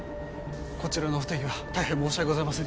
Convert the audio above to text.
こちらの不手際大変申し訳ございませんでした。